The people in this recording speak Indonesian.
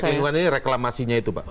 layak lingkungan ini reklamasinya itu pak